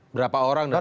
berapa orang dan apakah